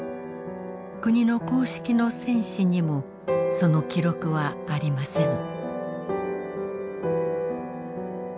国の公式の戦史にもその記録はありません。